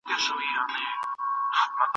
د پکتیا مرکزي ښار گردېز دی.